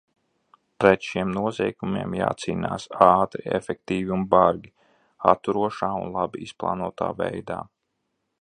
Pret šiem noziegumiem jācīnās ātri, efektīvi un bargi, atturošā un labi izplānotā veidā.